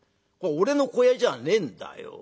俺の小屋じゃねえんだよ。